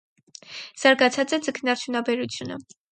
Զարգացած է ձկնարդյունաբերությունը։